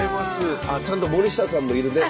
ちゃんと森下さんもいるね。